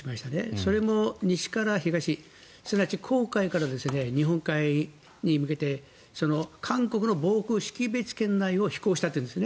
それも西から東すなわち黄海から日本海に向けて韓国の防空識別圏内を飛行したというんですね。